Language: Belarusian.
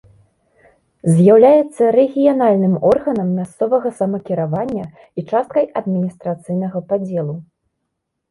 З'яўляецца рэгіянальным органам мясцовага самакіравання і часткай адміністрацыйнага падзелу.